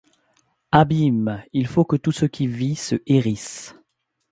Abîme ! il faut que tout ce qui vit, se hérisse